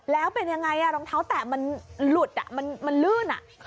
แล้วเป็นยังไงรองเท้าแตะมันหลุดมันลื่น